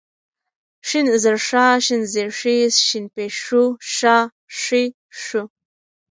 ښ زر ښا، ښېن زير ښې ، ښين پيښ ښو ، ښا ښې ښو